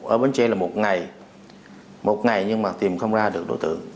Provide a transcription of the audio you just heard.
ở bến tre là một ngày một ngày nhưng mà tìm không ra được đối tượng